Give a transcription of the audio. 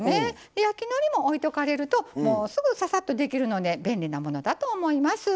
焼きのりも置いとかれるともうすぐささっとできるので便利なものだと思います。